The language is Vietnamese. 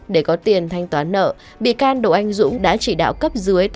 để có tiền thanh toán nợ bị can độ anh dũng đã chỉ đạo cấp dưới